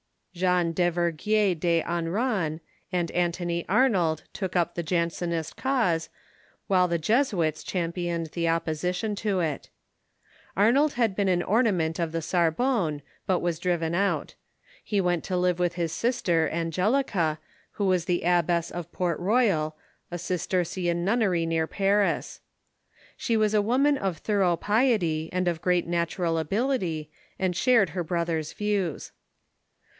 Jean Duvergnierde Hauranne and Antony Arnold took up the Jansenist cause, while the Jesuits championed the opposition to it. Arnold 22 338 THE MODERN CHURCH had been an ornament of the Sorbonne, but was driven out. He went to live Avith his sister, Angelica, who was the abbess of Port Roj^al, a Cistercian nunnery near Paris. She was a Avoman of thorough piety, and of great natural ability, and shared her brother's views.